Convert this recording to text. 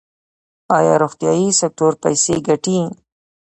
آیا روغتیايي سکتور پیسې ګټي؟